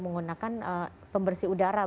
menggunakan pembersih udara